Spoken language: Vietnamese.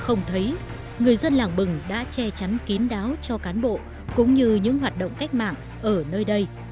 không thấy người dân làng bừng đã che chắn kín đáo cho cán bộ cũng như những hoạt động cách mạng ở nơi đây